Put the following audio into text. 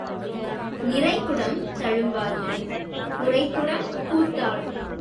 நிறை குடம் தளும்பாது, குறைகுடம் கூத்தாடும்.